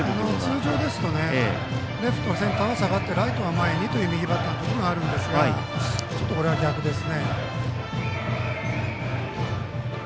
通常ですとレフトは下がってライトは前にという右バッターのときはあるんですが、これは逆ですね。